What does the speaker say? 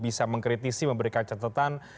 bisa mengkritisi memberikan catatan